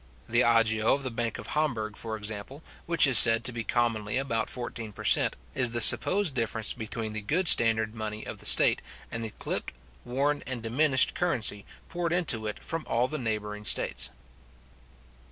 The agio of the bank of Hamburg, for example, which is said to be commonly about fourteen per cent. is the supposed difference between the good standard money of the state, and the clipt, worn, and diminished currency, poured into it from all the neighbouring states.